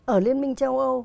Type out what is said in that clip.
ở liên minh châu âu